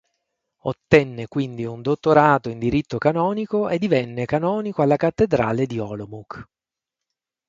Ottenne quindi un dottorato in diritto canonico e divenne canonico alla cattedrale di Olomouc.